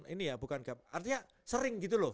ini ya bukan artinya sering gitu loh